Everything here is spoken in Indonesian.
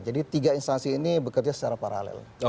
jadi tiga instansi ini bekerja secara paralel